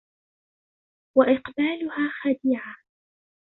وَإِقْبَالُهَا خَدِيعَةٌ